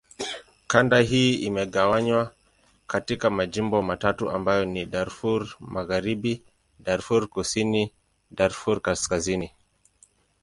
Kanda hii imegawanywa katika majimbo matatu ambayo ni: Darfur Magharibi, Darfur Kusini, Darfur Kaskazini.